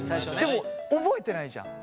でも覚えてないじゃん。